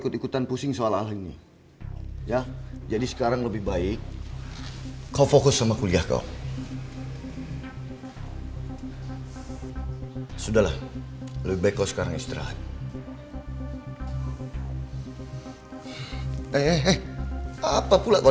udah gitu kalau misalnya kalian itu mau keluar rumah